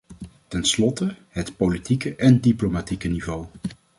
Ten slotte, het politieke en diplomatieke niveau.